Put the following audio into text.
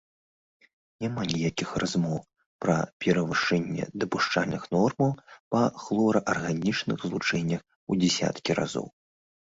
Няма ніякіх размоў пра перавышэнне дапушчальных нормаў па хлорарганічных злучэннях у дзясяткі разоў.